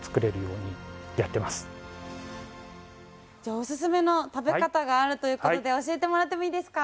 おススメの食べ方があるということで教えてもらってもいいですか。